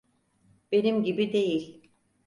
Benim gibi değil.